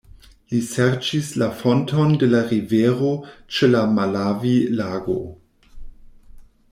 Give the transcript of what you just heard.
Li serĉis la fonton de la rivero ĉe la Malavi-lago.